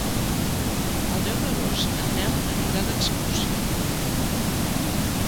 El deu d'agost en Nel anirà d'excursió.